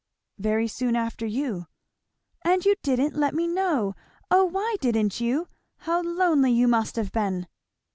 "Very soon after you." "And you didn't let me know! O why didn't you? How lonely you must have been."